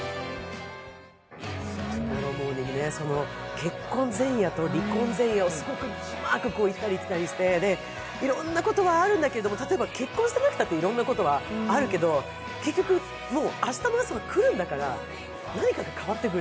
結婚前夜と離婚前夜をすごくうまく行ったり来たりして、いろんなことがあるんだけれども例えば結婚したときもいろんなことはあるけど、結局、もう明日の朝は来るんだから何かが変わってくる。